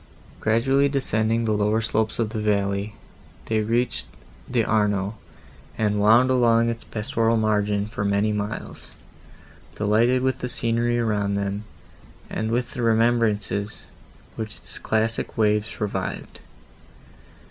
Gradually descending the lower slopes of the valley, they reached the Arno, and wound along its pastoral margin, for many miles, delighted with the scenery around them, and with the remembrances, which its classic waves revived.